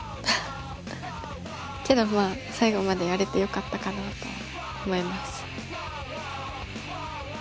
けどまあ最後までやれてよかったかなと思います。